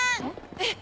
えっ！